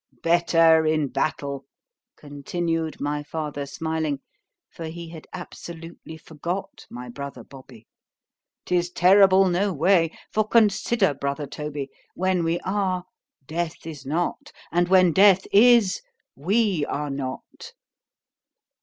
—Better in battle! continued my father, smiling, for he had absolutely forgot my brother Bobby—'tis terrible no way—for consider, brother Toby,—when we are—death is not;—and when death is—we are _not.